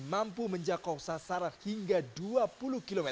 mampu menjangkau sasaran hingga dua puluh km